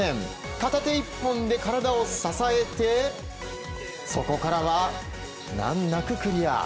片手１本で体を支えてそこからは、難なくクリア。